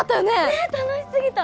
ねえ楽しすぎた！